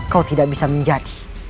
kau tidak bisa menjadi